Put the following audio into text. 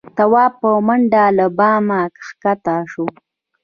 تواب په منډه له بامه کښه شو.